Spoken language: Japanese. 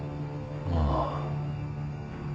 ああ。